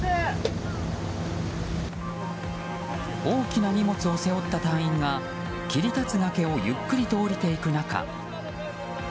大きな荷物を背負った隊員が切り立つ崖をゆっくりと降りていく中。